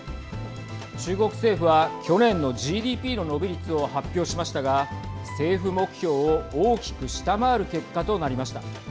中国政府は去年のＧＤＰの伸び率を発表しましたが政府目標を大きく下回る結果となりました。